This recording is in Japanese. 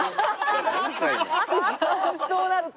そうなると？